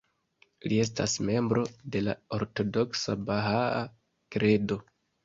Li estas membro de la ortodoksa Bahaa Kredo.